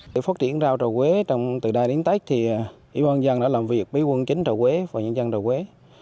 để phát triển rau trà quế từ đài đến tết thì ủy ban dân đã làm việc với quân chính trà quế và nhân dân trà quế